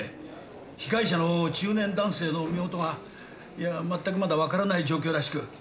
被害者の中年男性の身元が全くまだわからない状況らしく。